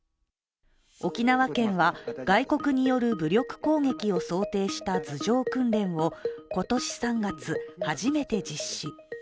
沖縄県は外国による武力攻撃を想定した図上訓練を今年３月、初めて実施。